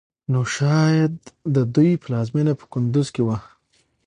نو شايد د دوی پلازمېنه په کندوز کې وه